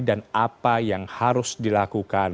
dan apa yang harus dilakukan